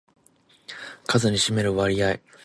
数に占める割合